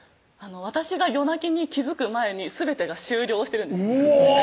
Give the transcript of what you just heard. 私が夜泣きに気付く前にすべてが終了してるんですうお！